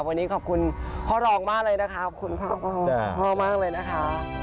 วันนี้ขอบคุณพ่อรองมากเลยนะคะขอบคุณพ่อพ่อมากเลยนะคะ